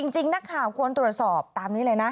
จริงนักข่าวควรตรวจสอบตามนี้เลยนะ